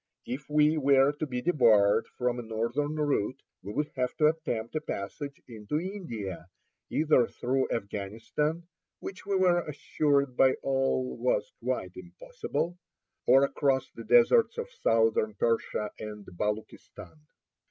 If we were to be debarred from a northern route, we would have to attempt a passage into India either through Afghanistan, which we were assured by all was quite impossible, or across the deserts of southern Persia and Baluchistan.